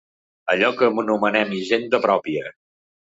Allò que anomenen hisenda pròpia.